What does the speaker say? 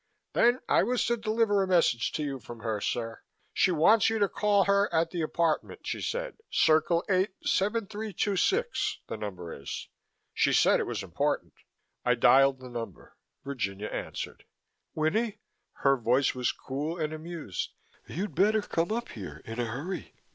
"Then I was to deliver a message to you from her, sir. She wants you to call her at the apartment, she said. Circle 8 7326, the number is. She said it was important." I dialed the number. Virginia answered. "Winnie?" Her voice was cool and amused. "You'd better come up here in a hurry.